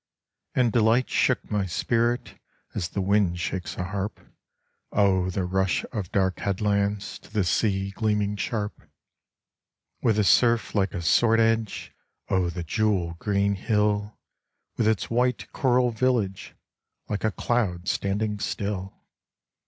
And delight shook my spirit As the wind shakes a harp. Oh, the rush of dark headlands To the sea gleaming sharp With a surf like a sword edge ! Oh, the jewel green hill With its white coral village Like a cloud standing still